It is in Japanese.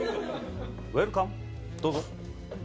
ウエルカムどうぞ。